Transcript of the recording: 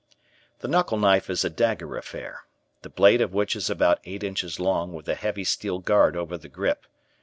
The knuckle knife is a dagger affair, the blade of which is about eight inches long with a heavy steel guard over the grip.